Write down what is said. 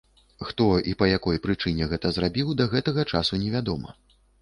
Хто і па якой прычыне гэта зрабіў, да гэтага часу невядома.